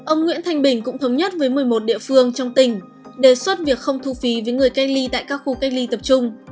ông nguyễn thanh bình cũng thống nhất với một mươi một địa phương trong tỉnh đề xuất việc không thu phí với người cách ly tại các khu cách ly tập trung